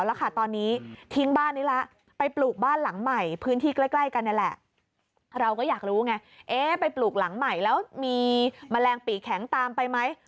เราก็อยากรู้ไงไปปลูกหลังใหม่แล้วมีแมลงปิกแข็งตามไปไหม